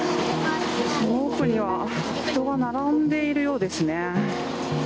その奥には人が並んでいるようですね。